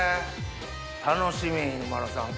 楽しみ犬丸さん